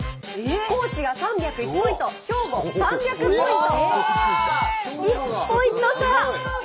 高知が３０１ポイント兵庫３００ポイント。